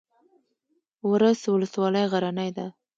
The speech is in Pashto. ورس ولسوالۍ غرنۍ ده؟